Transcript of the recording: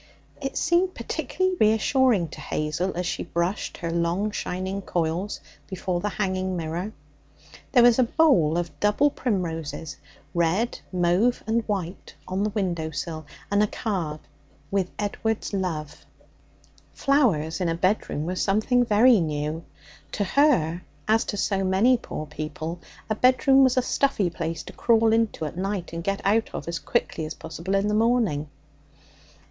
"' It seemed particularly reassuring to Hazel as she brushed her long shining coils before the hanging mirror. There was a bowl of double primroses red, mauve and white on the window sill, and a card 'with Edward's love.' Flowers in a bedroom were something very new. To her, as to so many poor people, a bedroom was a stuffy place to crawl into at night and get out of as quickly as possible in the morning.